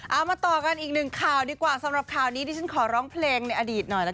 เอามาต่อกันอีกหนึ่งข่าวดีกว่าสำหรับข่าวนี้ดิฉันขอร้องเพลงในอดีตหน่อยละกัน